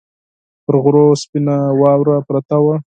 پر غرو سپینه واوره پرته وه